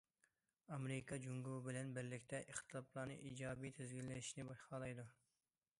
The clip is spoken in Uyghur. ئامېرىكا جۇڭگو بىلەن بىرلىكتە ئىختىلاپلارنى ئىجابىي تىزگىنلەشنى خالايدۇ.